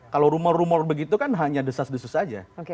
kalau rumor rumor begitu kan hanya desas desus saja